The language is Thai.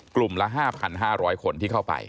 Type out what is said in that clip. กลุ่มละ๕๕๐๐คนที่เข้าไป